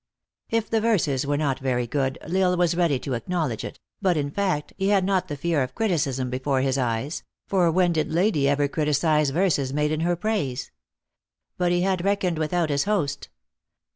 If the verses were not very good, L Isle was ready to acknowledge it; but, in fact, he had not the fear of criticism before his eyes; for when did lady ever crit icise verses made in her praise? But he had reckoned without his host.